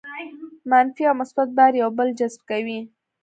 منفي او مثبت بار یو بل جذب کوي.